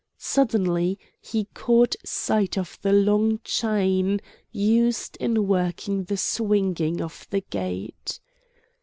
Suddenly he caught sight of the long chain used in working the swinging of the gate.